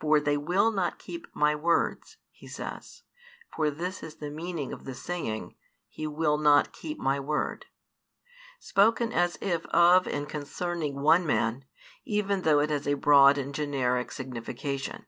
"For they will not keep My words," He says; for this is the meaning of the saying, "he will not keep My word," spoken as if of and concerning one man, even though it has a broad and generic signification.